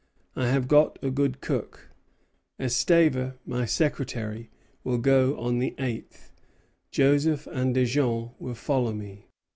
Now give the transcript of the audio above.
I have got a good cook. Estève, my secretary, will go on the eighth; Joseph and Déjean will follow me.